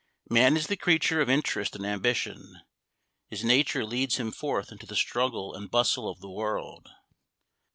Man is the creature of interest and ambition. His nature leads him forth into the struggle and bustle of the world.